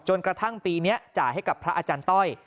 กระทั่งปีนี้จ่ายให้กับพระอาจารย์ต้อย